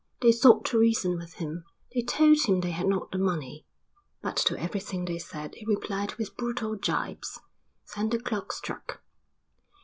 They sought to reason with him. They told him they had not the money. But to everything they said he replied with brutal gibes. Then the clock struck.